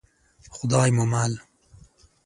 خدای مو مل.